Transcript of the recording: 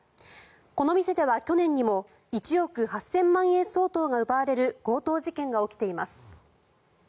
この店では去年にも１億８０００万円相当が奪われる強盗事件が起きています。